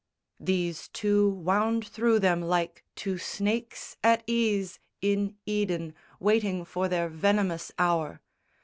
These two wound through them like two snakes at ease In Eden, waiting for their venomous hour.